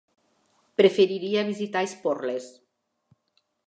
Preferiria visitar Esporles.